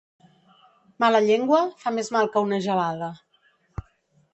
Mala llengua fa més mal que una gelada.